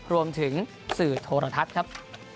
รวมถึงสื่อโทรทัศน์ครับ